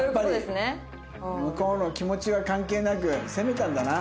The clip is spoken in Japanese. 向こうの気持ちは関係なく攻めたんだな。